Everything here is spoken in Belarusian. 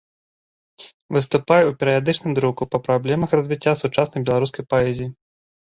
Выступае ў перыядычным друку па праблемах развіцця сучаснай беларускай паэзіі.